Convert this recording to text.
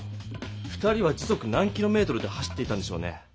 ２人は時速何キロメートルで走っていたんでしょうね。